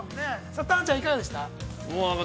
タナちゃん、いかがでした？